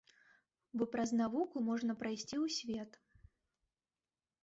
Бо праз навуку можна прайсці ў свет.